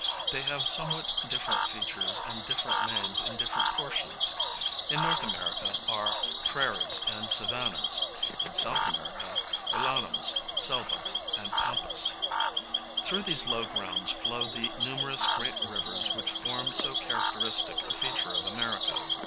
They have somewhat different features and different names in different portions; in N. America are prairies and savannahs, in S. America llanos, selvas, and pampas. Through these low grounds flow the numerous great rivers which form so characteristic a feature of America.